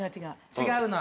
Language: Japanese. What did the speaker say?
違うな。